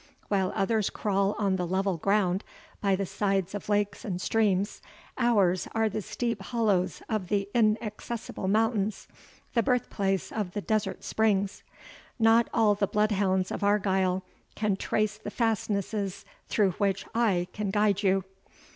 While others crawl on the level ground, by the sides of lakes and streams, ours are the steep hollows of the inaccessible mountains, the birth place of the desert springs. Not all the bloodhounds of Argyle can trace the fastnesses through which I can guide you."